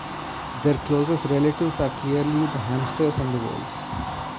Their closest relatives are clearly the hamsters and voles.